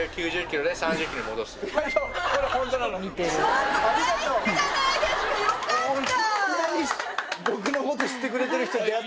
ちょっと大好きじゃないですかよかった！